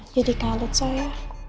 jadi kalut so ya